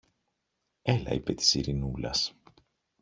Έλα, είπε της Ειρηνούλας.